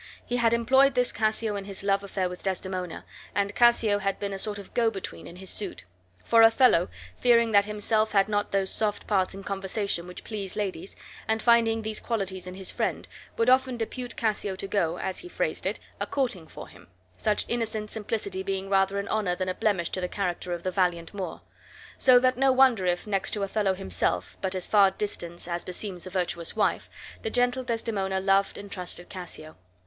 He had employed this Cassio in his love affair with Desdemona, and Cassio had been a sort of go between in his suit; for Othello, fearing that himself had not those soft parts of conversation which please ladies, and finding these qualities in his friend, would often depute Cassio to go (as he phrased it) a courting for him, such innocent simplicity being rather an honor than a blemish to the character of the valiant Moor. So that no wonder if, next to Othello himself (but at far distance, as beseems a virtuous wife), the gentle Desdemona loved and trusted Cassio.